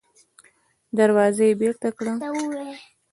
دروازه يې بېرته کړه.